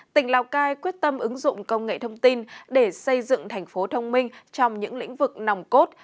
tỉnh lào cai quyết tâm ứng dụng công nghệ thông tin để xây dựng thành phố thông minh trong những lĩnh vực nòng cốt